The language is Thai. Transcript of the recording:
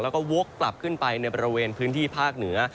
แล้วก็วกกลับขึ้นไปในบริเวณพื้นที่ภาคเหนือ